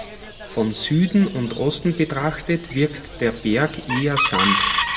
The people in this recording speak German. Von Süden und Osten betrachtet wirkt der Berg eher sanft.